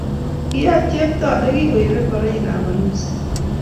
kiet chepto ne kokiibei ngorietab arusi